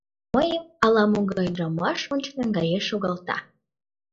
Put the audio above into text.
Мыйым ала-могай ӱдырамаш ончык наҥгаен шогалта.